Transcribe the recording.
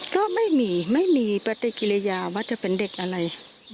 ก็ไม่มีไม่มีปฏิกิริยาว่าจะเป็นเด็กอะไร